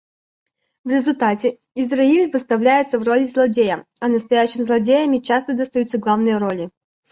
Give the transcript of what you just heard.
В результате Израиль выставляется в роли злодея, а настоящим злодеям часто достаются главные роли.